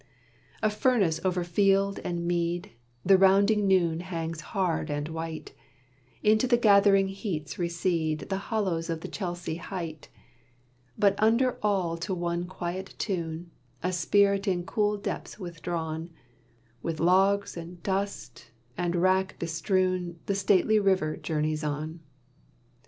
A furnace over field and mead, The rounding noon hangs hard and white; Into the gathering heats recede The hollows of the Chelsea height; But under all to one quiet tune, A spirit in cool depths withdrawn, With logs, and dust, and wrack bestrewn, The stately river journeys on.